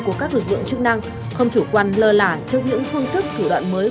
của các lực lượng chức năng không chủ quan lơ lả trước những phương thức thủ đoạn mới